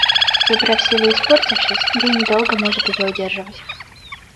Забрав силу и испортившись, гений долго может ее удерживать.